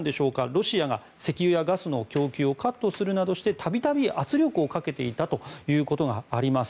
ロシアが石油やガスの供給をカットするなどして度々、圧力をかけていたということがあります。